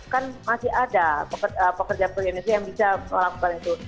kan masih ada pekerja pekerja indonesia yang bisa melakukan itu